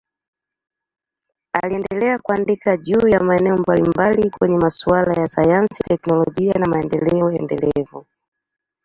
Aliendelea kuandika juu ya maeneo mbalimbali kwenye masuala ya sayansi, teknolojia na maendeleo endelevu.